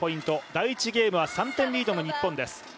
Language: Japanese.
第１ゲームは３点リードの日本です。